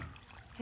え？